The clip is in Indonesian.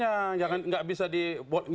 enggak enggak satu versinya